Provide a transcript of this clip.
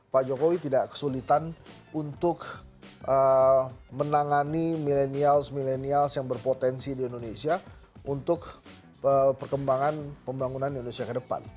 pak jokowi tidak kesulitan untuk menangani milenials milenials yang berpotensi di indonesia untuk perkembangan pembangunan indonesia ke depan